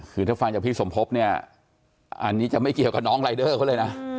คือถ้าฟังจากพี่สมภพเนี่ยอันนี้จะไม่เกี่ยวกับน้องรายเดอร์เขาเลยนะ